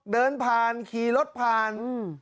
เดินผ่านขี่รถผ่าน